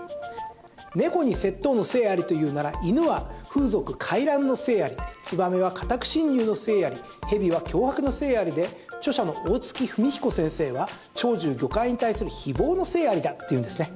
猫に窃盗の性ありというのなら犬は風俗壊乱の性ありツバメは家宅侵入の性あり蛇は脅迫の性ありで著者の大槻文彦先生は鳥獣魚貝に対する誹謗の性ありだというんですね。